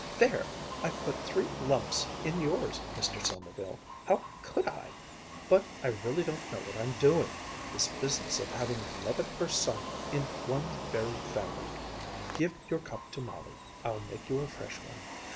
"There! I've put three lumps in yours, Mr. Sommerville. How could I! But I really don't know what I'm doing. This business of having love at first sight in one's very family ! Give your cup to Molly; I'll make you a fresh one.